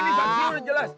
ini saksinya udah jelas